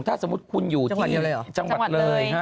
ถ้าสมมุติคุณอยู่ที่จังหวัดเลยฮะ